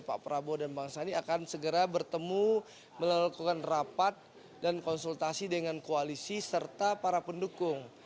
pak prabowo dan bang sandi akan segera bertemu melakukan rapat dan konsultasi dengan koalisi serta para pendukung